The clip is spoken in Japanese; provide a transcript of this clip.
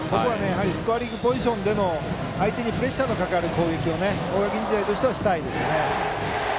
スコアリングポジションでの相手にプレッシャーがかかる攻撃を大垣日大としてはしたいですね。